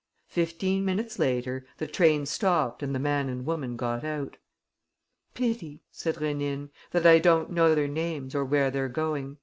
Fifteen minutes later, the train stopped and the man and woman got out. "Pity," said Rénine, "that I don't know their names or where they're going.